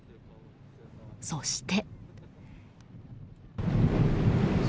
そして。